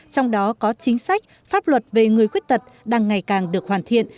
trong đó có chính sách pháp luật về người khuyết tật đang ngày càng được hoàn thiện